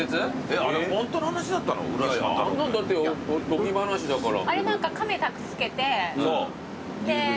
だっておとぎ話だから。